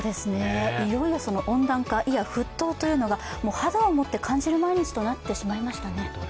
いよいよ温暖化、いや沸騰というのが肌を持って感じる毎日となってしまいましたね。